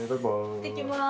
いってきます。